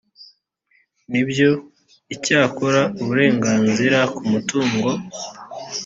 n ibyo icyakora uburenganzira ku mutungo